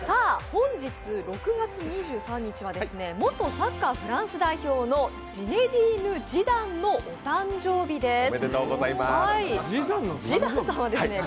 本日６月２３日は元サッカーフランス代表のジネディーヌ・ジダンの誕生日です。